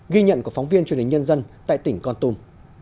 ghi nhận của phóng viên truyền hình nhân dân tại tỉnh con tum